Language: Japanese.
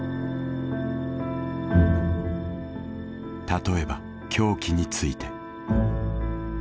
例えば凶器について。